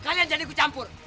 kalian jangan gitu kucampur